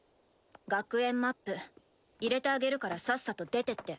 学園マップ入れてあげるからさっさと出てって。